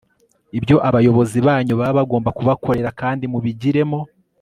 ibyo abayobozi banyu baba bagomba kubakorera, kandi mubigiremo